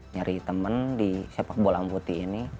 nyari teman di sepak bola amputi ini